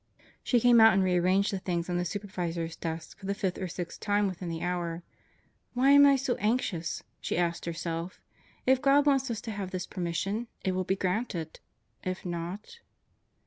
She came out and rearranged the things on the supervisor's desk for the fifth or sixth time within the hour. "Why am I so anxious?" she asked herself. "If God wants us to have this per mission, it will be granted. If not